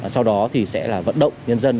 sau đó thì sẽ là vận động nhân dân